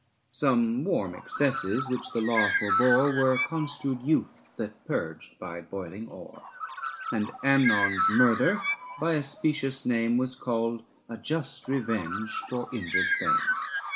Some warm excesses, which the law forbore, Were construed youth that purged by boiling o'er; And Amnon's murder by a specious name Was called a just revenge for injured fame.